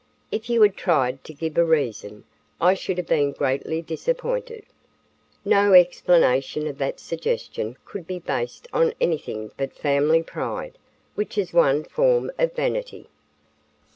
"If you had tried to give a reason, I should have been greatly disappointed. No explanation of that suggestion could be based on anything but family pride, which is one form of vanity."